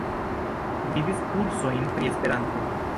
Gvidis kursojn pri Esperanto.